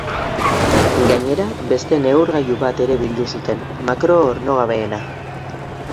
Gainera, beste neurgailu bat ere bildu zuten, makro-ornogabeena.